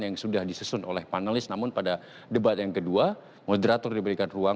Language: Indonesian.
yang sudah disusun oleh panelis namun pada debat yang kedua moderator diberikan ruang